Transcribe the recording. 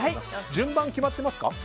順番決まってますか？